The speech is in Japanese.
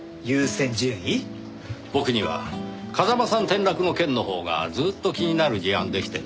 僕には風間さん転落の件のほうがずっと気になる事案でしてね。